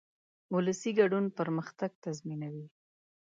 ولسي ګډون پرمختګ تضمینوي.